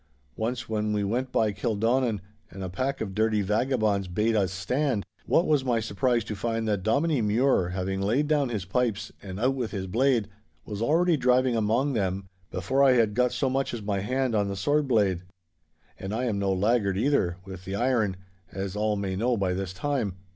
Once when we went by Kildonan and a pack of dirty vagabonds bade us stand, what was my surprise to find that Dominie Mure having laid down his pipes and out with his blade, was already driving among them before I had got so much as my hand on the sword blade. And I am no laggard, either, with the iron, as all may know by this time.